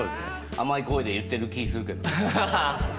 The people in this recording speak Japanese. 甘い声で言ってる気するけど。